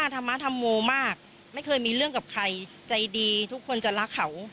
ธรรมธรรโมมากไม่เคยมีเรื่องกับใครใจดีทุกคนจะรักเขา